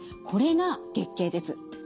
これが月経です。